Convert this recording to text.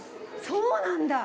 そうなんだ！